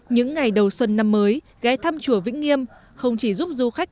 những ngày đầu xuân năm mới ghé thăm chùa vĩnh nghiêm không chỉ giúp du khách